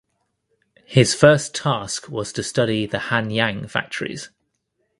His first task was to study the Hanyang factories.